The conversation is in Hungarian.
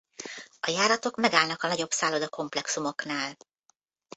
A járatok megállnak a nagyobb szálloda-komplexumoknál.